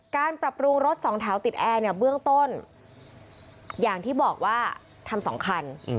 การปรับปรุงรถสองแถวติดแอร์เนี่ยเบื้องต้นอย่างที่บอกว่าทำ๒คัน